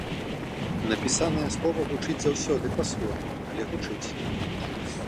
Напісанае слова гучыць заўсёды, па-свойму, але гучыць.